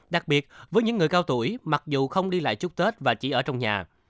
đặc biệt với những người cao tuổi mặc dù không đi lại chúc tết và chỉ ở trong nhà